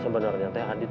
sebenernya teh adit